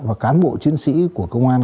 và cán bộ chiến sĩ của công an